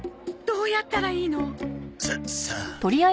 どうやったらいいの？ささあ？